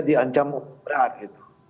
dia diancam berat gitu